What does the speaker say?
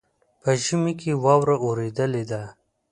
په ژمي کې واوره اوریدلې ده.